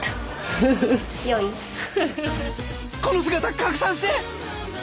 この姿拡散して。